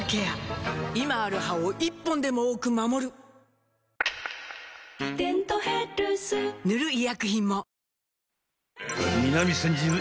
今ある歯を１本でも多く守る「デントヘルス」塗る医薬品も